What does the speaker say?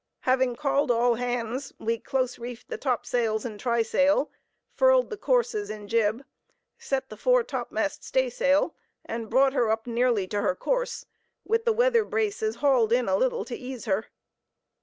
Having called all hands, we close reefed the topsails and trysail, furled the courses and jib, set the foretopmast staysail, and brought her up nearly to her course, with the weather braces hauled in a little, to ease her.